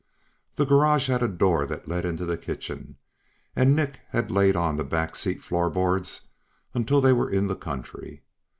The garage had a door that led into the kitchen, and Nick had laid on the back seat floorboards until they were in the country.